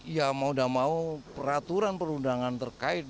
ya mau da mau peraturan perundangan terkaitnya